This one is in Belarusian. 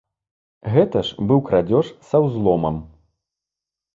Гэта ж быў крадзеж са ўзломам.